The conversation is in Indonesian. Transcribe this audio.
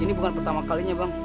ini bukan pertama kalinya bang